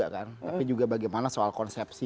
tapi juga bagaimana soal konsepsi